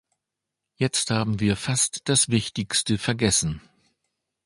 Jetzt haben wir fast das Wichtigste vergessen.